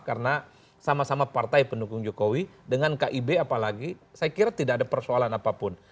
karena sama sama partai pendukung jokowi dengan kib apalagi saya kira tidak ada persoalan apapun